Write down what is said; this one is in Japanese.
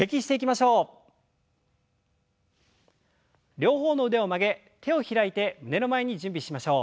両方の腕を曲げ手を開いて胸の前に準備しましょう。